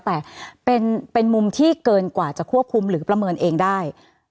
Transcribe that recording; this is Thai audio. แต่เป็นมุมที่เกินกว่าจะควบคุมหรือประเมินเองได้